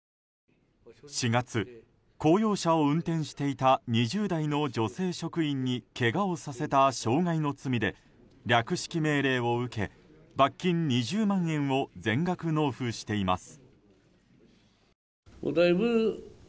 ４月、公用車を運転していた２０代の女性職員にけがをさせた傷害の罪で略式命令を受け罰金２０万円を全額納付しています。